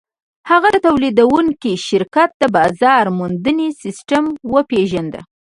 هغه د تولیدوونکي شرکت د بازار موندنې سیسټم وپېژند